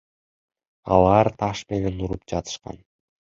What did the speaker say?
Алар таш менен уруп жатышкан.